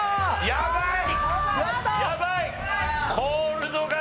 やばい！